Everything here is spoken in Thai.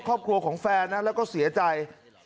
ครอบครัวของแฟนนะแล้วก็เสียใจ